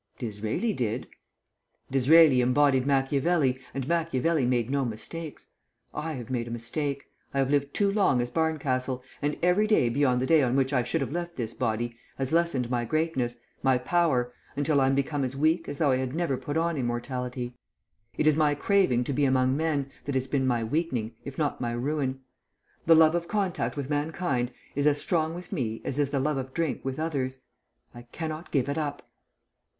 "D'Israeli did." "D'Israeli embodied Macchiavelli, and Macchiavelli made no mistakes. I have made a mistake. I have lived too long as Barncastle, and every day beyond the day on which I should have left this body has lessened my greatness, my power, until I am become as weak as though I had never put on immortality. It is my craving to be among men, that has been my weakening, if not my ruin. The love of contact with mankind is as strong with me as is the love of drink with others. I cannot give it up."